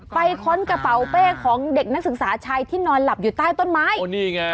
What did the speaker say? ค้นกระเป๋าเป้ของเด็กนักศึกษาชายที่นอนหลับอยู่ใต้ต้นไม้โอ้นี่ไง